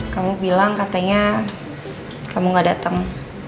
kamu bilang katanya kamu gak datang